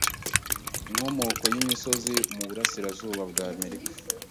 Inkomoko y'imisozi mu burasirazuba bwa Amerika